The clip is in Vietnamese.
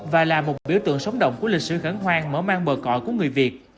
và là một biểu tượng sống động của lịch sử khẳng hoang mở mang bờ cõi của người việt